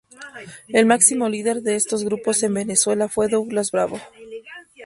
El máximo líder de estos grupos en Venezuela fue Douglas Bravo.